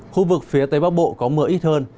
khu vực phía tây bắc bộ có mưa ít hơn